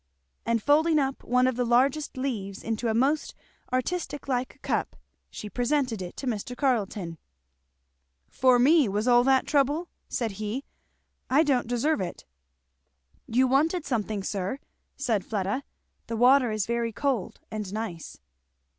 And folding up one of the largest leaves into a most artist like cup, she presented it to Mr. Carleton. "For me, was all that trouble?" said he. "I don't deserve it." "You wanted something, sir," said Fleda. "The water is very cold and nice."